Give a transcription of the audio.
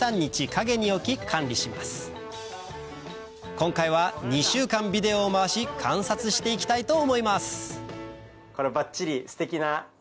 今回は２週間ビデオを回し観察して行きたいと思います